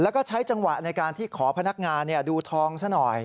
แล้วก็ใช้จังหวะในการที่ขอพนักงานดูทองซะหน่อย